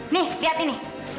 nih lihat ini